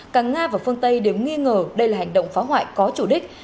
cả nga và phương tây đều nghi ngờ đây là hành động phá hoại có chủ đích